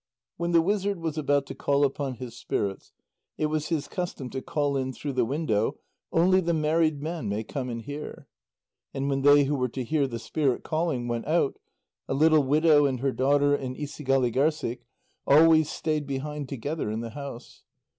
When the wizard was about to call upon his spirits, it was his custom to call in through the window: "Only the married men may come and hear." And when they who were to hear the spirit calling went out, a little widow and her daughter and Isigâligârssik always stayed behind together in the house.